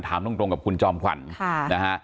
ถามตรงกับคุณจอมขวัญนะฮะ